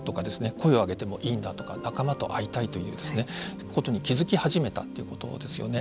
声を上げてもいいんだとか仲間と会いたいということに気づき始めたということですよね。